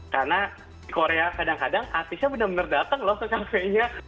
karena di korea kadang kadang artisnya benar benar datang loh ke kafenya